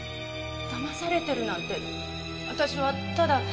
だまされてるなんて私はただ。